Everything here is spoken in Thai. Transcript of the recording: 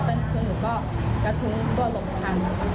ตึงหนูก็กระทุนตัวหลบคัน